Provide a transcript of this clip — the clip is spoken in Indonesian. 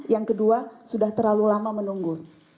yang kedua sudah terlalu lama menunggu